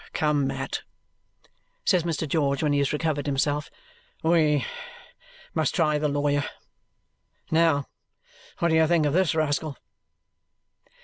"Come, Mat," says Mr. George when he has recovered himself, "we must try the lawyer. Now, what do you think of this rascal?"